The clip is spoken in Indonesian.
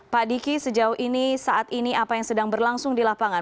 pak diki sejauh ini saat ini apa yang sedang berlangsung di lapangan